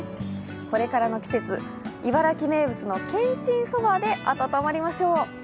これからの季節、茨城名物のけんちんそばで温まりましょう。